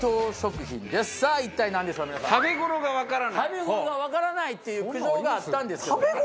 食べ頃がわからないっていう苦情があったんですよ。